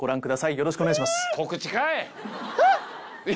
よろしくお願いします。